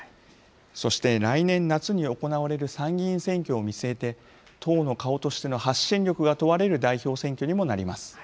そして来年夏に行われる参議院選挙を見据えて、党の顔としての発信力が問われる代表選挙にもなります。